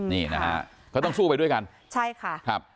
นี่นะฮะเขาต้องสู้ไปด้วยกันใช่ค่ะครับ